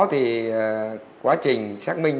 thì quá trình xác minh